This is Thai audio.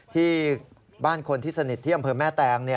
ที่บ้านคนที่สนิทที่อำเภอแม่แตง